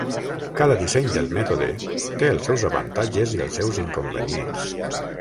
Cada disseny del mètode té els seus avantatges i els seus inconvenients.